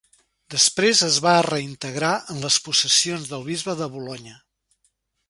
Després es va reintegrar en les possessions del bisbe de Bolonya.